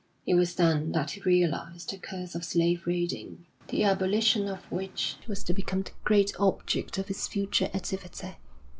It was then that he realised the curse of slave raiding, the abolition of which was to become the great object of his future activity.